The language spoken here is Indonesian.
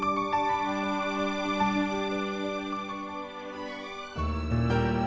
aku mau ke rumah